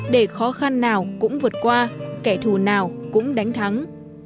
để khó khăn nào cũng vượt qua kẻ thù nào cũng đánh thắng